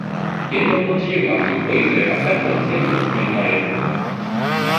言論の自由は、一歩譲れば、百歩も千歩も攻め込まれる。